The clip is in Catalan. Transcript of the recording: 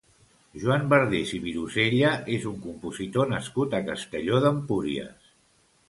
Joan Bardés i Virosella és un compositor nascut a Castelló d'Empúries.